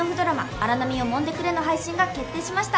『荒波よ揉んでくれ』の配信が決定しました。